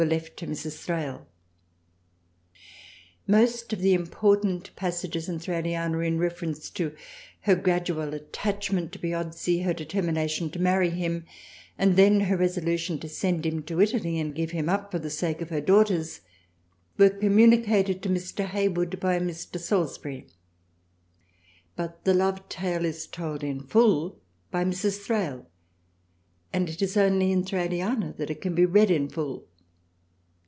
Most of the important passages in " Thraliana " in reference to her gradual attachment to Piozzi, her determination to marry him, and then her resolution to send him to Italy and give him up for the sake of her daughters, were communicated to Mr. Hayward by Mr. Salusbury. But the love tale is told in full by Mrs. Thrale and it is only in Thraliana that it can be read in full.